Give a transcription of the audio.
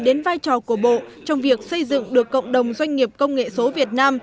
đến vai trò của bộ trong việc xây dựng được cộng đồng doanh nghiệp công nghệ số việt nam